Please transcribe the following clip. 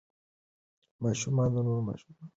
ماشومان د نورو ماشومانو کړنې مشاهده کوي.